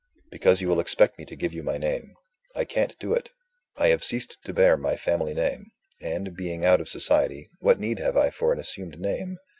"Because you will expect me to give you my name. I can't do it. I have ceased to bear my family name; and, being out of society, what need have I for an assumed name?